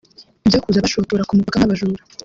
Ibyo kuza bashotora ku mupaka nk’abajura